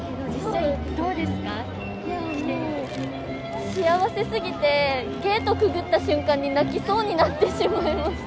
いやもう、幸せすぎて、ゲートくぐった瞬間に泣きそうになってしまいました。